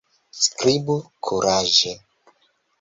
Skribu kuraĝe!